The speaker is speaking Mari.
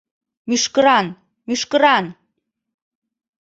—...Мӱшкыран, мӱшкыран...